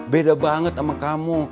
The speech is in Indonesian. beda banget sama kamu